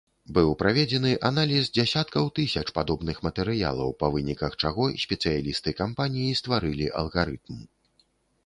Быў праведзены аналіз дзясяткаў тысяч падобных матэрыялаў, па выніках чаго спецыялісты кампаніі стварылі алгарытм.